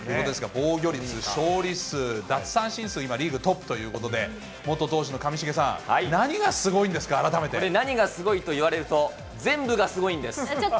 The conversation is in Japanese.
防御率、勝利数、奪三振数、今、リーグトップということで、元投手の上重さん、何がすごいんこれ、何がすごいと言われるちょっと！